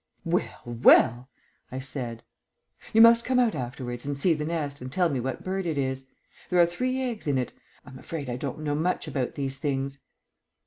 "Well, well!" I said. "You must come out afterwards and see the nest and tell me what bird it is. There are three eggs in it. I am afraid I don't know much about these things."